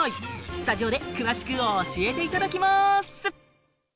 スタジオで詳しく教えていただきます。